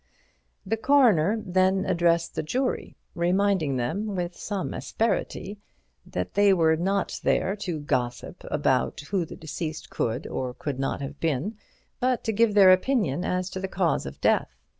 The Coroner then addressed the jury, reminding them with some asperity that they were not there to gossip about who the deceased could or could not have been, but to give their opinion as to the cause of death.